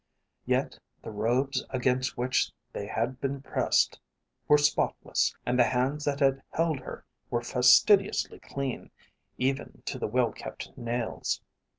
Yet the robes against which they had been pressed were spotless, and the hands that had held her were fastidiously clean, even to the well kept nails.